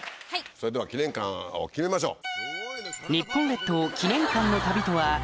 それでは記念館を決めましょう。